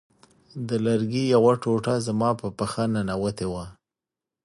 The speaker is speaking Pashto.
د لرګي یوه ټوټه زما په پښه ننوتې وه